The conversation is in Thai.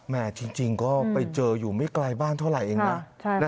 จริงก็ไปเจออยู่ไม่ไกลบ้านเท่าไหร่เองนะ